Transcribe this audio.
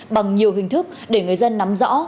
bằng nhiều hình thức để người dân nắm rõ